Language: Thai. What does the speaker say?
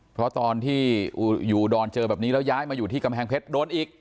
เพราะตอนที่อยู่ดอนเจอแบบนี้แล้วย้ายมาอยู่ที่กำแพงเพชรโดนอีก